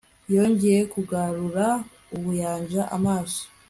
Yongeye kugarura ubuyanja amaso